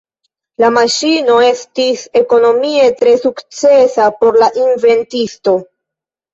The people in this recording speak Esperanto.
La maŝino estis ekonomie tre sukcesa por la inventisto.